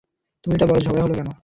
তুমি এটা বলো, ঝগড়া হলো কেন?